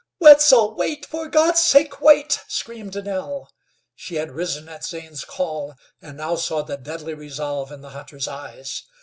"Wetzel, wait, for God's sake, wait!" screamed Nell. She had risen at Zane's call, and now saw the deadly resolve in the hunter's eyes.